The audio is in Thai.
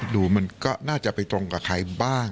ดูมันก็น่าจะไปตรงกับใครบ้าง